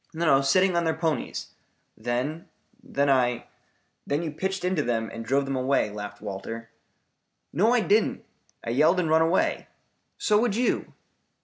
"No, sitting on their ponies. Then then I " "Then you pitched into them and drove them away," laughed Walter. "No, I didn't. I yelled and run away. So would you."